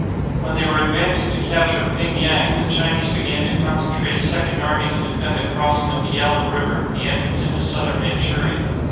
When they were advancing to capture Ping yang, the Chinese began to concentrate a second army to defend the crossing of the Yalu River, the entrance into Southern Manchuria.